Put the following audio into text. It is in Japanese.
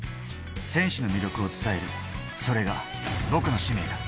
選手の魅力を伝える、それが僕の使命だ。